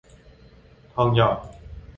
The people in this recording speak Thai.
ทองหยอด